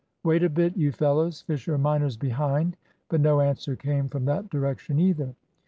"Wait a bit, you fellows. Fisher minor's behind." But no answer came from that direction either.